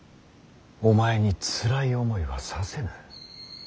お前につらい思いはさせぬ。